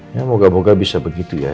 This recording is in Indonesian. ya moga moga bisa begitu ya